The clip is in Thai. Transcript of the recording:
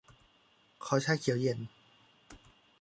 ขอชาเขียวเย็น